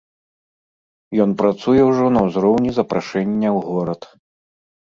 Ён працуе ўжо на ўзроўні запрашэння ў горад.